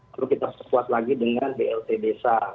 lalu kita sesuai lagi dengan blt besa